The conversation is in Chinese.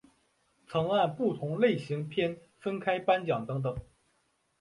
曾按不同类型片分开颁奖等等。